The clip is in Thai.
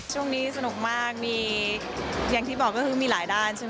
ช่วงนี้สนุกมากมีอย่างที่บอกก็คือมีหลายด้านใช่ไหม